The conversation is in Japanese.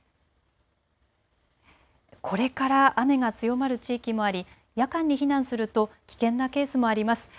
これから雨が強まる地域もあり夜間に避難すると危険なケースもあります。